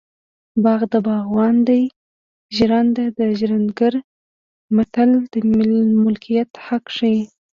باغ د باغوان دی ژرنده د ژرندګړي متل د ملکیت حق ښيي